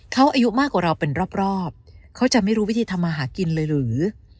เขาอายุมากกว่าเราเป็นรอบเขาจะไม่รู้วิธีทำมาหากินเลยหรือ